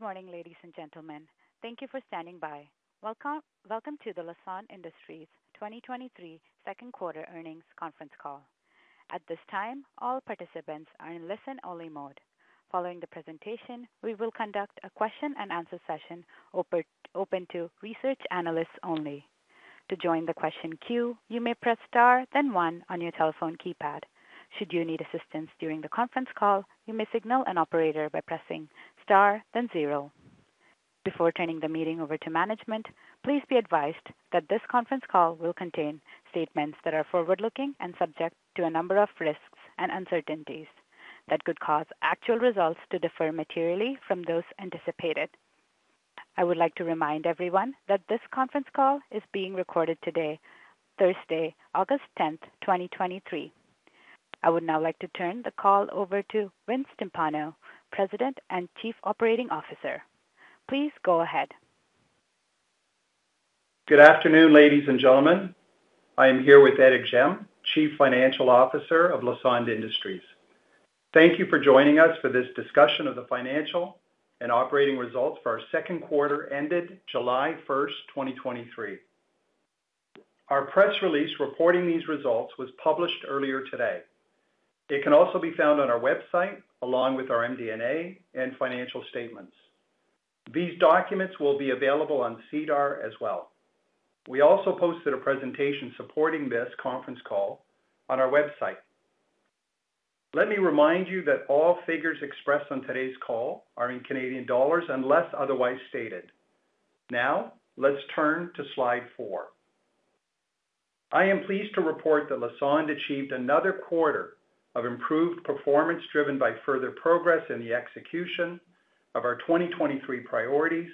Good morning, ladies and gentlemen. Thank you for standing by. Welcome to the Lassonde Industries 2023 Q2 earnings conference call. At this time, all participants are in listen-only mode. Following the presentation, we will conduct a question and answer session open to research analysts only. To join the question queue, you may press Star, then one on your telephone keypad. Should you need assistance during the conference call, you may signal an operator by pressing Star, then zero. Before turning the meeting over to management, please be advised that this conference call will contain statements that are forward-looking and subject to a number of risks and uncertainties that could cause actual results to differ materially from those anticipated. I would like to remind everyone that this conference call is being recorded today, Thursday, August tenth, 2023. I would now like to turn the call over to Vince Timpano, President and Chief Operating Officer. Please go ahead. Good afternoon, ladies and gentlemen. I am here with Éric Gemme, Chief Financial Officer of Lassonde Industries. Thank you for joining us for this discussion of the financial and operating results for our Q2 ended July 1, 2023. Our press release reporting these results was published earlier today. It can also be found on our website, along with our MD&A and financial statements. These documents will be available on SEDAR as well. We also posted a presentation supporting this conference call on our website. Let me remind you that all figures expressed on today's call are in Canadian dollars, unless otherwise stated. Let's turn to slide 4. I am pleased to report that Lassonde achieved another quarter of improved performance, driven by further progress in the execution of our 2023 priorities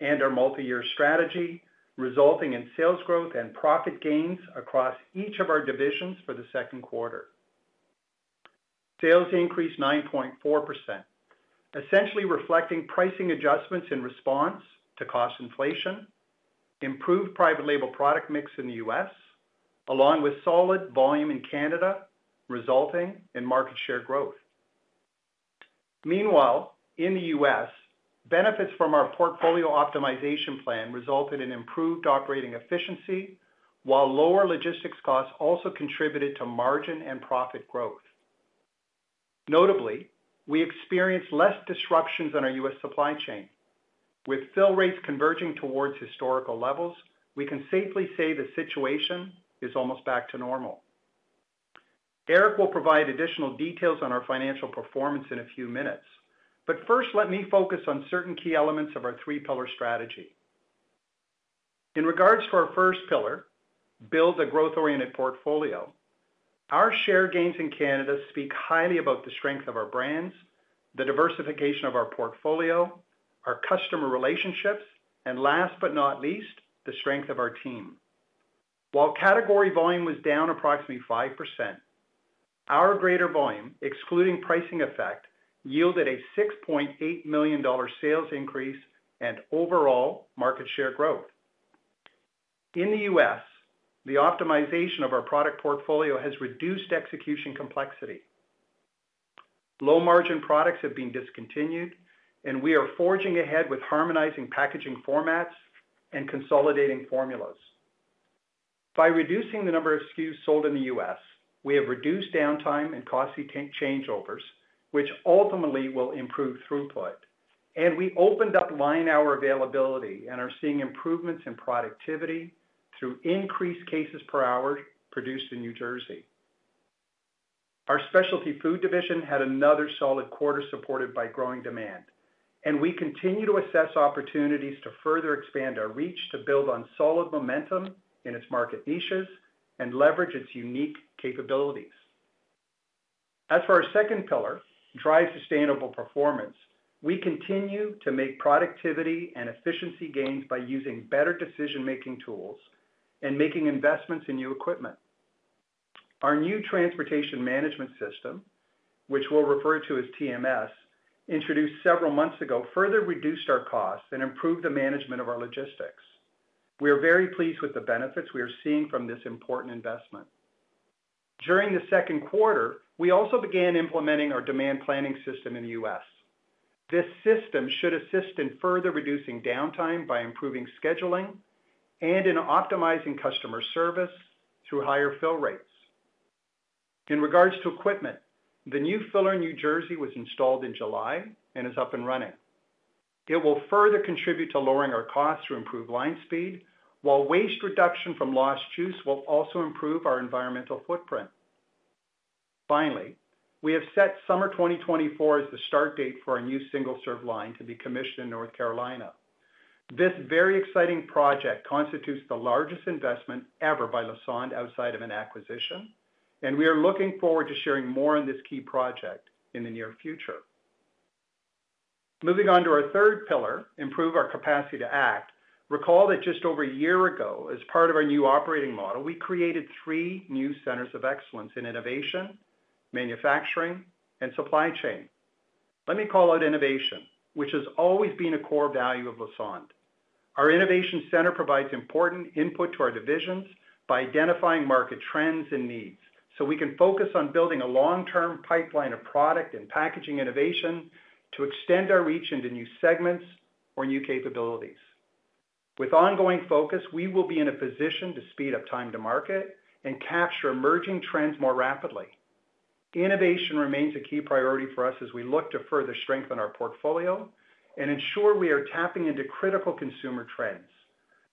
and our multi-year strategy, resulting in sales growth and profit gains across each of our divisions for the Q2. Sales increased 9.4%, essentially reflecting pricing adjustments in response to cost inflation, improved private label product mix in the US, along with solid volume in Canada, resulting in market share growth. Meanwhile, in the US, benefits from our portfolio optimization plan resulted in improved operating efficiency, while lower logistics costs also contributed to margin and profit growth. Notably, we experienced less disruptions in our US supply chain. With fill rates converging towards historical levels, we can safely say the situation is almost back to normal. Éric will provide additional details on our financial performance in a few minutes. First, let me focus on certain key elements of our three pillar strategy. In regards to our first pillar, build a growth-oriented portfolio, our share gains in Canada speak highly about the strength of our brands, the diversification of our portfolio, our customer relationships, and last but not least, the strength of our team. While category volume was down approximately 5%, our greater volume, excluding pricing effect, yielded a 6.8 million dollar sales increase and overall market share growth. In the U.S., the optimization of our product portfolio has reduced execution complexity. Low-margin products have been discontinued. We are forging ahead with harmonizing packaging formats and consolidating formulas. By reducing the number of SKUs sold in the US, we have reduced downtime and costly changeovers, which ultimately will improve throughput, and we opened up line hour availability and are seeing improvements in productivity through increased cases per hour produced in New Jersey. Our Lassonde Specialty Foods had another solid quarter, supported by growing demand, and we continue to assess opportunities to further expand our reach to build on solid momentum in its market niches and leverage its unique capabilities. As for our second pillar, drive sustainable performance, we continue to make productivity and efficiency gains by using better decision-making tools and making investments in new equipment. Our new transportation management system, which we'll refer to as TMS, introduced several months ago, further reduced our costs and improved the management of our logistics. We are very pleased with the benefits we are seeing from this important investment. During the Q2, we also began implementing our demand planning system in the US. This system should assist in further reducing downtime by improving scheduling and in optimizing customer service through higher fill rates. In regards to equipment, the new filler in New Jersey was installed in July and is up and running. It will further contribute to lowering our costs to improve line speed, while waste reduction from lost juice will also improve our environmental footprint. Finally, we have set summer 2024 as the start date for our new single-serve line to be commissioned in North Carolina. This very exciting project constitutes the largest investment ever by Lassonde outside of an acquisition, and we are looking forward to sharing more on this key project in the near future. Moving on to our third pillar, improve our capacity to act. Recall that just over a year ago, as part of our new operating model, we created three new centers of excellence in innovation, manufacturing, and supply chain. Let me call out innovation, which has always been a core value of Lassonde. Our innovation center provides important input to our divisions by identifying market trends and needs, so we can focus on building a long-term pipeline of product and packaging innovation to extend our reach into new segments or new capabilities. With ongoing focus, we will be in a position to speed up time to market and capture emerging trends more rapidly. Innovation remains a key priority for us as we look to further strengthen our portfolio and ensure we are tapping into critical consumer trends.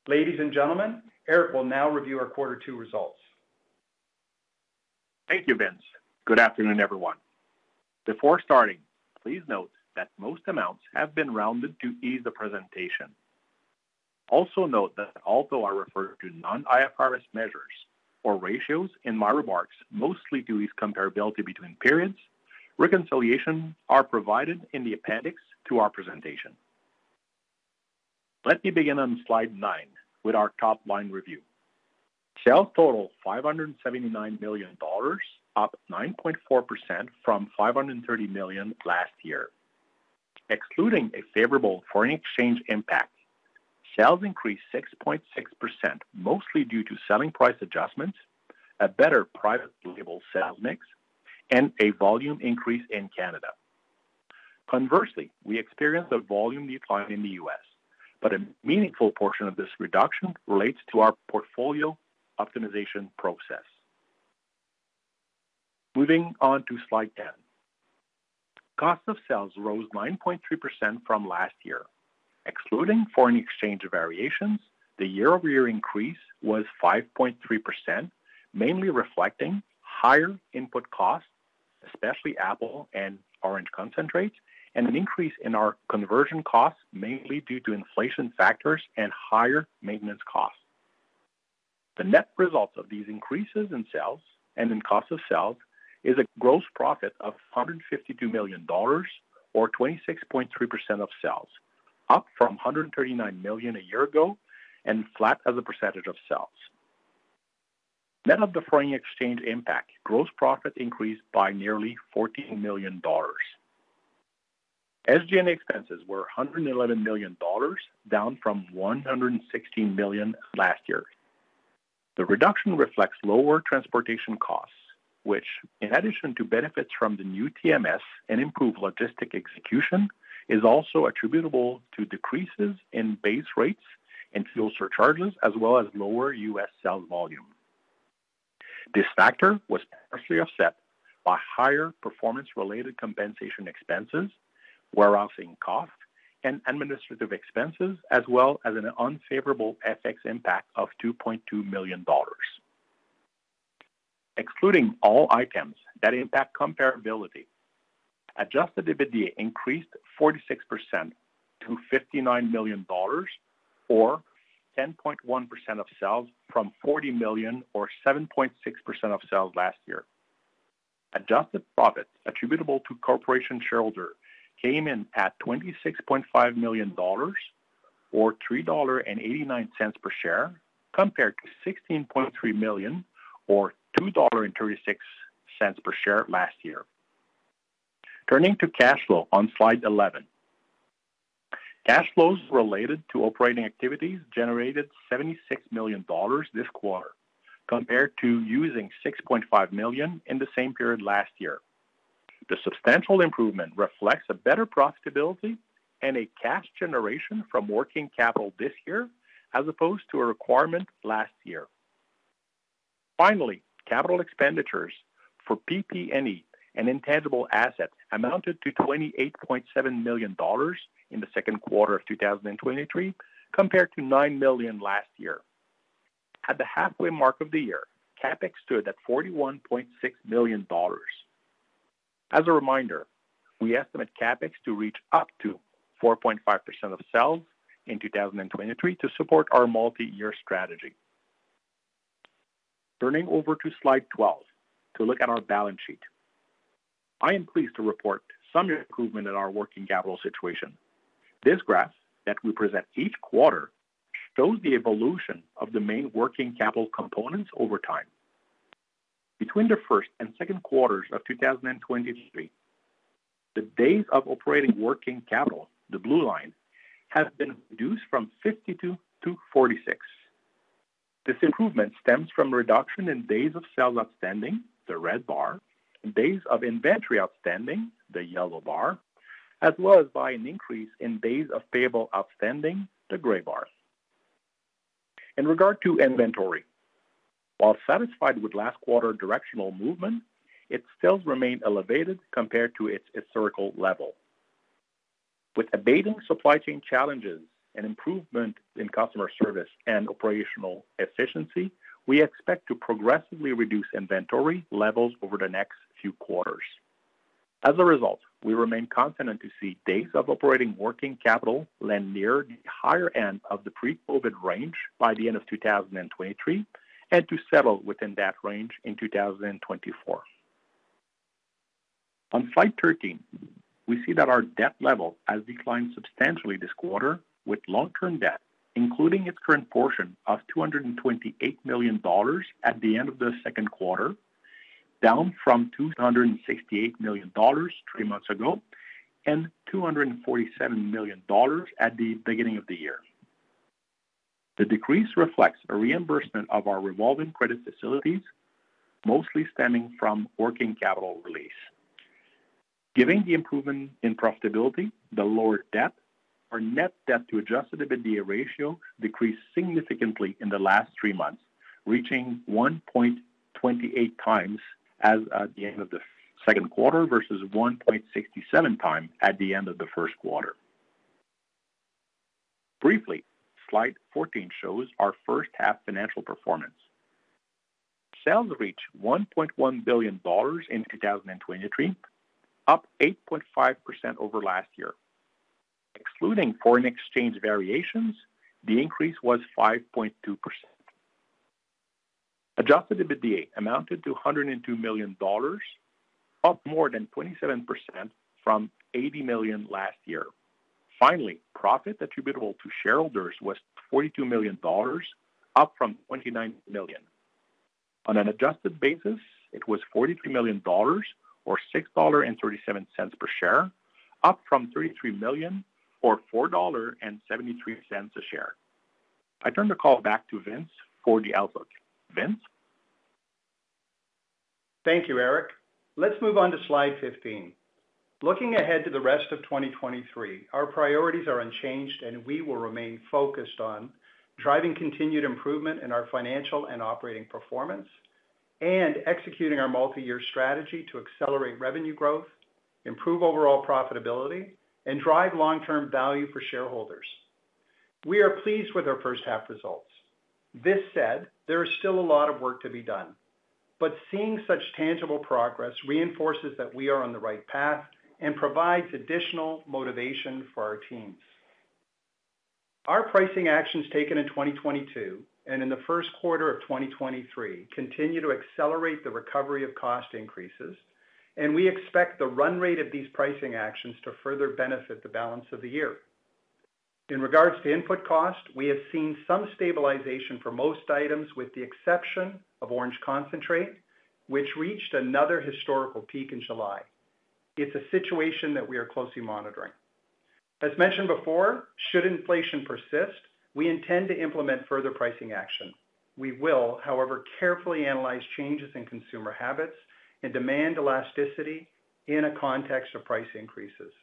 Ladies and gentlemen, Éric will now review our quarter two results. Thank you, Vince. Good afternoon, everyone. Before starting, please note that most amounts have been rounded to ease the presentation. Also note that although I refer to non-IFRS measures or ratios in my remarks, mostly due to its comparability between periods, reconciliation are provided in the appendix to our presentation. Let me begin on slide nine with our top-line review. Sales totaled 579 million dollars, up 9.4% from 530 million last year. Excluding a favorable foreign exchange impact, sales increased 6.6%, mostly due to selling price adjustments, a better private label sales mix, and a volume increase in Canada. Conversely, we experienced a volume decline in the US, but a meaningful portion of this reduction relates to our portfolio optimization process. Moving on to slide 10. Cost of sales rose 9.3% from last year. Excluding foreign exchange variations, the year-over-year increase was 5.3%, mainly reflecting higher input costs, especially apple and orange concentrates, and an increase in our conversion costs, mainly due to inflation factors and higher maintenance costs. The net results of these increases in sales and in cost of sales is a gross profit of 152 million dollars or 26.3% of sales, up from 139 million a year ago and flat as a percentage of sales. Net of the foreign exchange impact, gross profit increased by nearly 14 million dollars. SG&A expenses were 111 million dollars, down from 116 million last year. The reduction reflects lower transportation costs, which, in addition to benefits from the new TMS and improved logistics execution, is also attributable to decreases in base rates and fuel surcharges, as well as lower US sales volume. This factor was partially offset by higher performance-related compensation expenses, warehousing costs, and administrative expenses, as well as an unfavorable FX impact of 2.2 million dollars. Excluding all items that impact comparability, Adjusted EBITDA increased 46% - 59 million dollars or 10.1% of sales, from 40 million or 7.6% of sales last year. Adjusted profits attributable to corporation shareholder came in at 26.5 million dollars, or 3.89 dollar per share, compared to 16.3 million or 2.36 dollar per share last year. Turning to cash flow on slide 11. Cash flows related to operating activities generated 76 million dollars this quarter, compared to using 6.5 million in the same period last year. The substantial improvement reflects a better profitability and a cash generation from working capital this year, as opposed to a requirement last year. Finally, capital expenditures for PP&E and intangible assets amounted to 28.7 million dollars in the Q2 of 2023, compared to 9 million last year. At the halfway mark of the year, Capex stood at 41.6 million dollars. As a reminder, we estimate Capex to reach up to 4.5% of sales in 2023 to support our multi-year strategy. Turning over to slide 12 to look at our balance sheet. I am pleased to report some improvement in our working capital situation. This graph, that we present each quarter, shows the evolution of the main working capital components over time. Between the 1st and 2nd quarters of 2023, the days of operating working capital, the blue line, has been reduced from 52 to 46. This improvement stems from a reduction in days of sales outstanding, the red bar, days of inventory outstanding, the yellow bar, as well as by an increase in days of payable outstanding, the gray bar. In regard to inventory, while satisfied with last quarter directional movement, it still remains elevated compared to its historical level. With abating supply chain challenges and improvement in customer service and operational efficiency, we expect to progressively reduce inventory levels over the next few quarters. As a result, we remain confident to see days of operating working capital lend near the higher end of the pre-COVID range by the end of 2023, and to settle within that range in 2024. On slide 13, we see that our debt level has declined substantially this quarter, with long-term debt, including its current portion of 228 million dollars at the end of the Q2, down from 268 million dollars three months ago, and 247 million dollars at the beginning of the year. The decrease reflects a reimbursement of our revolving credit facilities, mostly stemming from working capital release. Given the improvement in profitability, the lower debt, our net debt to Adjusted EBITDA ratio decreased significantly in the last three months, reaching 1.28 times as at the end of the Q2, versus 1.67 times at the end of the Q1. Briefly, slide 14 shows our first half financial performance. Sales reached 1.1 billion dollars in 2023, up 8.5% over last year. Excluding foreign exchange variations, the increase was 5.2%. Adjusted EBITDA amounted to 102 million dollars, up more than 27% from 80 million last year. Finally, profit attributable to shareholders was 42 million dollars, up from 29 million. On an adjusted basis, it was 43 million dollars, or 6.37 dollar per share, up from 33 million, or 4.73 dollar a share. I turn the call back to Vince for the outlook. Vince? Thank you, Éric. Let's move on to slide 15. Looking ahead to the rest of 2023, our priorities are unchanged. We will remain focused on driving continued improvement in our financial and operating performance, and executing our multi-year strategy to accelerate revenue growth, improve overall profitability, and drive long-term value for shareholders. We are pleased with our first half results. This said, there is still a lot of work to be done. Seeing such tangible progress reinforces that we are on the right path and provides additional motivation for our teams. Our pricing actions taken in 2022 and in the Q1 of 2023 continue to accelerate the recovery of cost increases. We expect the run rate of these pricing actions to further benefit the balance of the year. In regards to input cost, we have seen some stabilization for most items, with the exception of orange concentrate, which reached another historical peak in July. It's a situation that we are closely monitoring. As mentioned before, should inflation persist, we intend to implement further pricing action. We will, however, carefully analyze changes in consumer habits and demand elasticity in a context of price increases.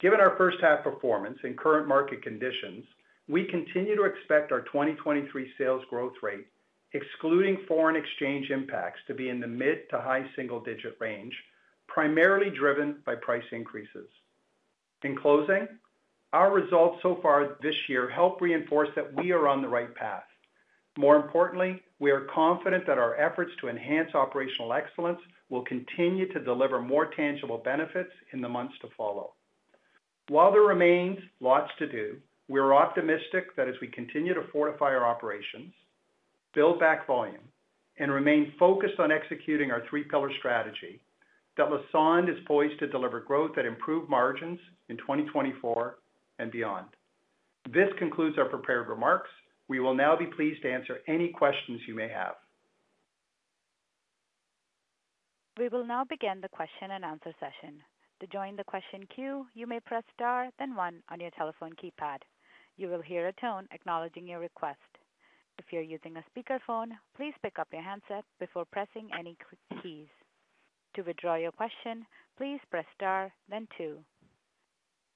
Given our first half performance and current market conditions, we continue to expect our 2023 sales growth rate, excluding foreign exchange impacts, to be in the mid to high single digit range, primarily driven by price increases. In closing, our results so far this year help reinforce that we are on the right path. More importantly, we are confident that our efforts to enhance operational excellence will continue to deliver more tangible benefits in the months to follow. While there remains lots to do, we are optimistic that as we continue to fortify our operations, build back volume, and remain focused on executing our three-pillar strategy, that Lassonde is poised to deliver growth at improved margins in 2024 and beyond. This concludes our prepared remarks. We will now be pleased to answer any questions you may have. We will now begin the question and answer session. To join the question queue, you may press Star, then One on your telephone keypad. You will hear a tone acknowledging your request. If you're using a speakerphone, please pick up your handset before pressing any keys. To withdraw your question, please press Star then Two.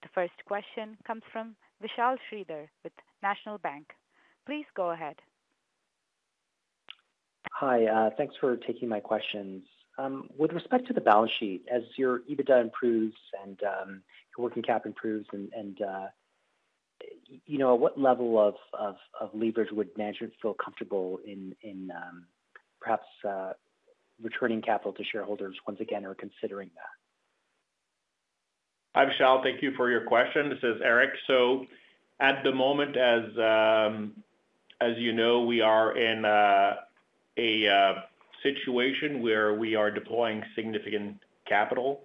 The first question comes from Vishal Shreedhar with National Bank. Please go ahead. Hi, thanks for taking my questions. With respect to the balance sheet, as your EBITDA improves and your working capital improves, and, and, you know, what level of leverage would management feel comfortable in perhaps returning capital to shareholders once again, or considering that? Hi, Vishal. Thank you for your question. This is Éric. At the moment, as you know, we are in a situation where we are deploying significant capital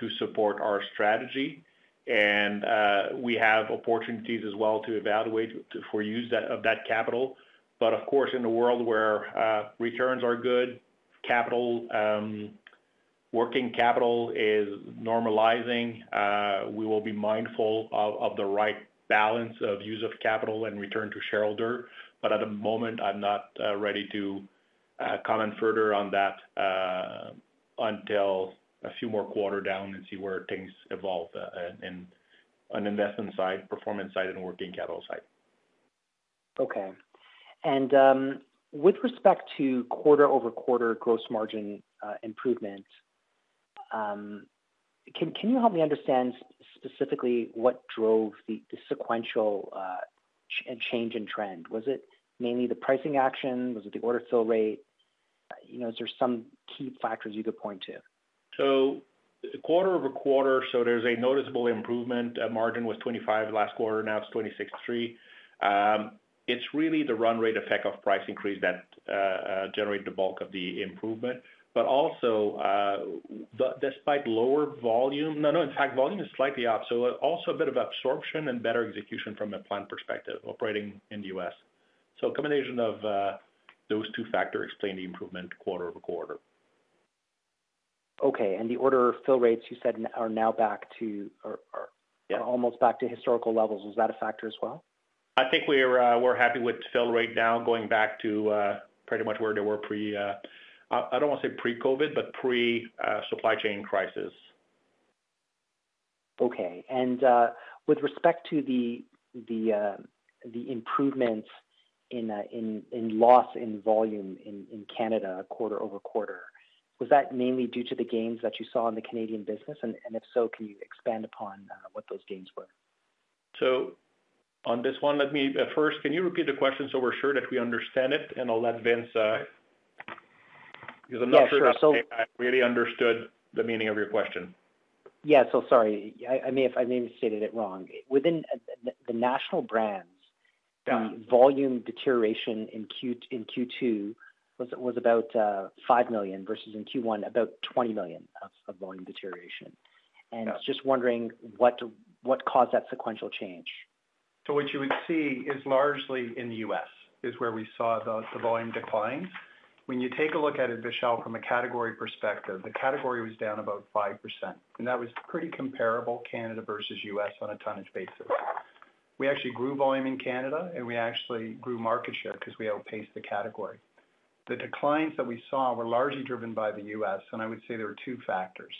to support our strategy, and we have opportunities as well to evaluate for use that, of that capital. Of course, in a world where returns are good, capital, working capital is normalizing, we will be mindful of the right balance of use of capital and return to shareholder. At the moment, I'm not ready to comment further on that until a few more quarter down and see where things evolve in, on investment side, performance side, and working capital side. Okay. With respect to quarter-over-quarter gross margin improvement, can you help me understand specifically what drove the sequential change in trend? Was it mainly the pricing action? Was it the order fill rate? You know, is there some key factors you could point to? The quarter-over-quarter, so there's a noticeable improvement. Margin was 25% last quarter, now it's 26.3%. It's really the run rate effect of price increase that generate the bulk of the improvement. Also, but despite lower volume, no, no, in fact, volume is slightly up, so also a bit of absorption and better execution from a plant perspective, operating in the U.S. A combination of those two factors explain the improvement quarter-over-quarter. Okay. The order fill rates, you said, are now back to, or are- Yeah almost back to historical levels. Is that a factor as well? I think we're, we're happy with fill rate now going back to pretty much where they were pre, I, I don't want to say pre-COVID, but pre, supply chain crisis. Okay. With respect to the, the, the improvements in, in, in loss, in volume in, in Canada quarter-over-quarter, was that mainly due to the gains that you saw in the Canadian business? And, if so, can you expand upon what those gains were? On this one, let me, first, can you repeat the question so we're sure that we understand it? I'll let Vince. Because I'm not sure. Yeah, sure. I really understood the meaning of your question. Yeah, so sorry. I, I may have, I may have stated it wrong. Within, the, the national brands- Yeah... the volume deterioration in Q2 was about 5 million, versus in Q1, about 20 million of volume deterioration. Yeah. Just wondering what, what caused that sequential change? What you would see is largely in the US, is where we saw the volume declines. When you take a look at it, Vishal, from a category perspective, the category was down about 5%, and that was pretty comparable, Canada versus US, on a tonnage basis. We actually grew volume in Canada, and we actually grew market share because we outpaced the category. The declines that we saw were largely driven by the US, and I would say there were two factors.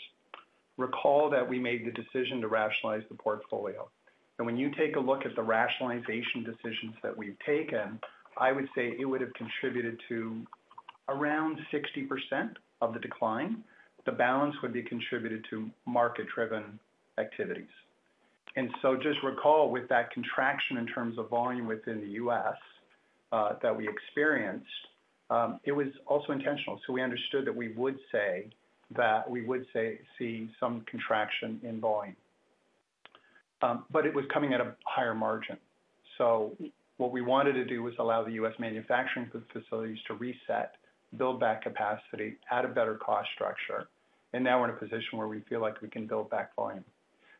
Recall that we made the decision to rationalize the portfolio. When you take a look at the rationalization decisions that we've taken, I would say it would have contributed to around 60% of the decline. The balance would be contributed to market-driven activities. just recall, with that contraction in terms of volume within the US, that we experienced, it was also intentional. we understood that we would say, that we would say, see some contraction in volume, but it was coming at a higher margin. what we wanted to do was allow the US manufacturing facilities to reset, build back capacity at a better cost structure, and now we're in a position where we feel like we can build back volume.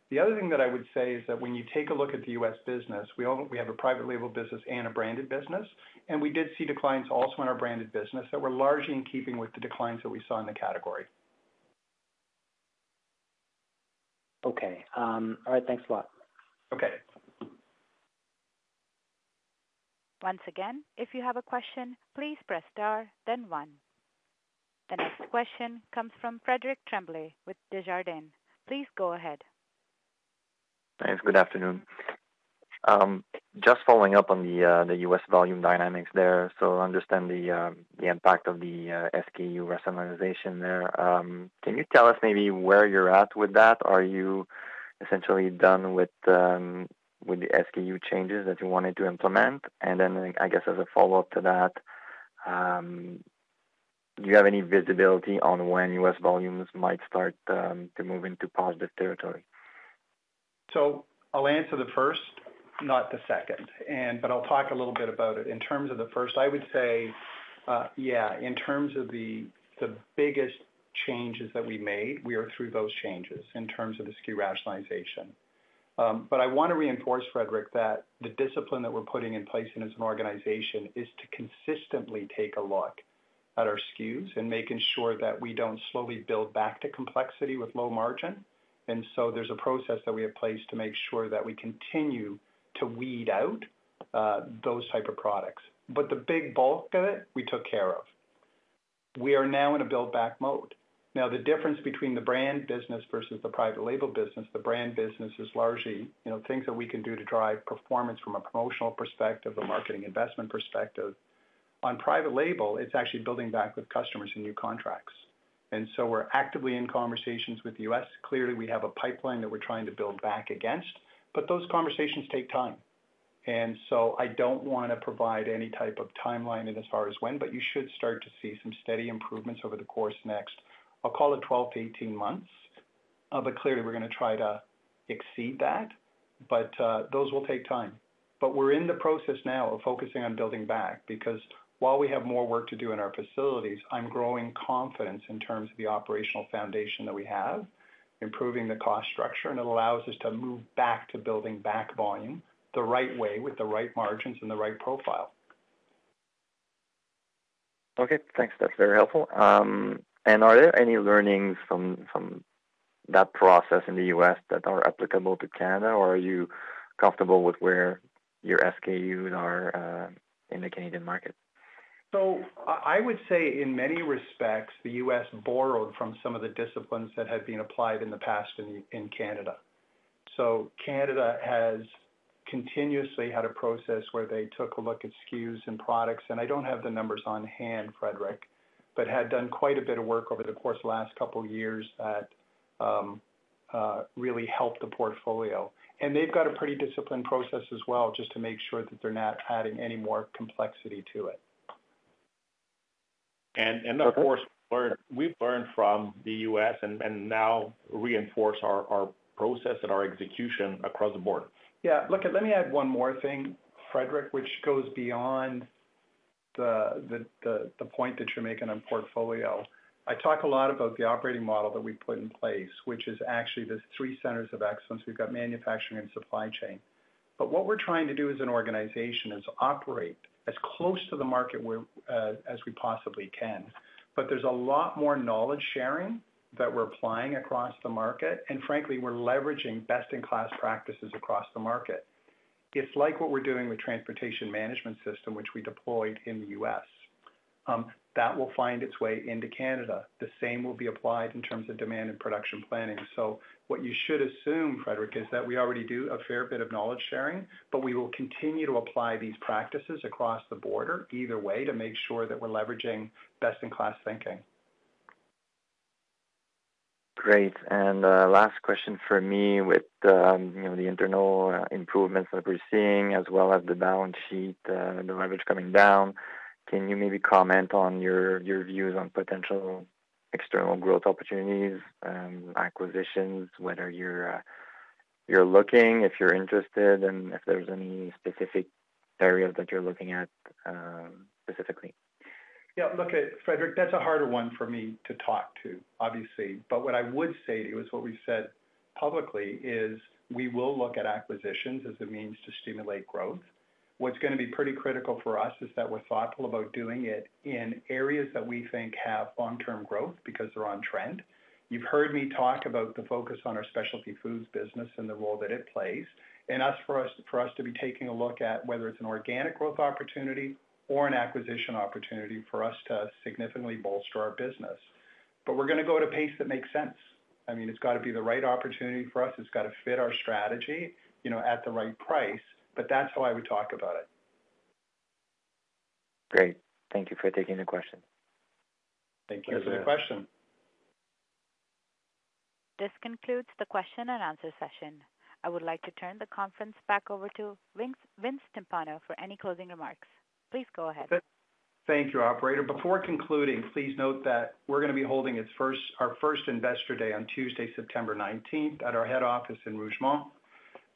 The other thing that I would say is that when you take a look at the US business, we have a private label business and a branded business, and we did see declines also in our branded business that were largely in keeping with the declines that we saw in the category. Okay, all right. Thanks a lot. Okay. Once again, if you have a question, please press Star, then One. The next question comes from Frederic Tremblay with Desjardins. Please go ahead. Thanks. Good afternoon. Just following up on the U.S. volume dynamics there. I understand the impact of the SKU rationalization there. Can you tell us maybe where you're at with that? Are you essentially done with the SKU changes that you wanted to implement? I guess, as a follow-up to that, do you have any visibility on when U.S. volumes might start to move into positive territory? I'll answer the first, not the second, and but I'll talk a little bit about it. In terms of the first, I would say, yeah, in terms of the, the biggest changes that we made, we are through those changes in terms of the SKU rationalization. I want to reinforce, Frederic, that the discipline that we're putting in place and as an organization, is to consistently take a look at our SKUs and making sure that we don't slowly build back to complexity with low margin. There's a process that we have placed to make sure that we continue to weed out those type of products. The big bulk of it, we took care of. We are now in a build back mode. The difference between the brand business versus the private label business, the brand business is largely, you know, things that we can do to drive performance from a promotional perspective, a marketing investment perspective. On private label, it's actually building back with customers and new contracts. We're actively in conversations with the US. Clearly, we have a pipeline that we're trying to build back against, but those conversations take time. I don't want to provide any type of timeline in as far as when, but you should start to see some steady improvements over the course next, I'll call it 12-18 months. But clearly, we're going to try to exceed that, but those will take time. We're in the process now of focusing on building back, because while we have more work to do in our facilities, I'm growing confidence in terms of the operational foundation that we have, improving the cost structure, and it allows us to move back to building back volume the right way, with the right margins and the right profile. Okay, thanks. That's very helpful. Are there any learnings from, from that process in the U.S. that are applicable to Canada, or are you comfortable with where your SKUs are in the Canadian market? I, I would say in many respects, the US borrowed from some of the disciplines that have been applied in the past in, in Canada. Canada has continuously had a process where they took a look at SKUs and products, and I don't have the numbers on hand, Frederick, but had done quite a bit of work over the course of the last couple of years that really helped the portfolio. They've got a pretty disciplined process as well, just to make sure that they're not adding any more complexity to it. Of course, we've learned from the US and now reinforce our process and our execution across the board. Yeah, look, let me add one more thing, Frederick, which goes beyond the point that you're making on portfolio. I talk a lot about the operating model that we put in place, which is actually the three centers of excellence. We've got manufacturing and supply chain. What we're trying to do as an organization is operate as close to the market we're as we possibly can. There's a lot more knowledge sharing that we're applying across the market, and frankly, we're leveraging best-in-class practices across the market. It's like what we're doing with transportation management system, which we deployed in the US. That will find its way into Canada. The same will be applied in terms of demand and production planning. What you should assume, Frederic, is that we already do a fair bit of knowledge sharing, but we will continue to apply these practices across the border either way, to make sure that we're leveraging best-in-class thinking. Great. Last question for me. With, you know, the internal improvements that we're seeing as well as the balance sheet, the leverage coming down, can you maybe comment on your, your views on potential external growth opportunities and acquisitions? Whether you're looking, if you're interested, and if there's any specific areas that you're looking at, specifically? Yeah, look, Frederick, that's a harder one for me to talk to, obviously. What I would say to you is what we've said publicly, is we will look at acquisitions as a means to stimulate growth. What's gonna be pretty critical for us is that we're thoughtful about doing it in areas that we think have long-term growth because they're on trend. You've heard me talk about the focus on our Lassonde Specialty Foods business and the role that it plays, for us to be taking a look at whether it's an organic growth opportunity or an acquisition opportunity for us to significantly bolster our business. We're gonna go at a pace that makes sense. I mean, it's gotta be the right opportunity for us. It's gotta fit our strategy, you know, at the right price. That's how I would talk about it. Great. Thank you for taking the question. Thank you for the question. This concludes the question and answer session. I would like to turn the conference back over to Vince, Vince Timpano for any closing remarks. Please go ahead. Thank you, operator. Before concluding, please note that we're gonna be holding our first Investor Day on Tuesday, September nineteenth, at our head office in Rougemont.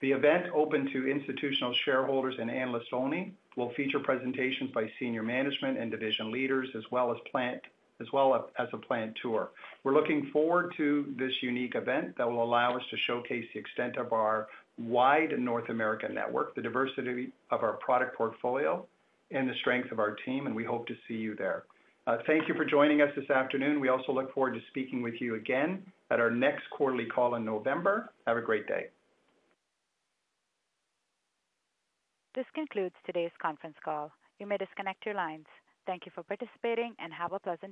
The event, open to institutional shareholders and analysts only, will feature presentations by senior management and division leaders, as well as a plant tour. We're looking forward to this unique event that will allow us to showcase the extent of our wide North American network, the diversity of our product portfolio, and the strength of our team. We hope to see you there. Thank you for joining us this afternoon. We also look forward to speaking with you again at our next quarterly call in November. Have a great day. This concludes today's conference call. You may disconnect your lines. Thank you for participating and have a pleasant day.